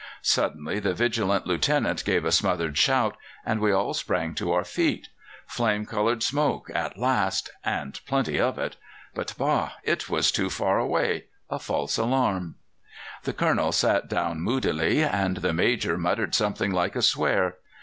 Suddenly the vigilant Lieutenant gave a smothered shout, and we all sprang to our feet. Flame coloured smoke at last, and plenty of it. But, bah! it was too far away a false alarm. "The Colonel sat down moodily, and the Major muttered something like a swear.